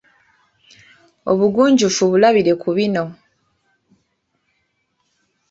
Obugunjufu bulabire ku bino